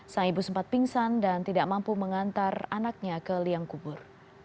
sang ibu sempat pingsan dan tidak mampu mengantar anaknya ke liang kubur